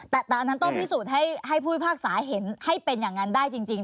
แต่อันนั้นต้องพิสูจน์ให้ผู้พิพากษาเห็นให้เป็นอย่างนั้นได้จริง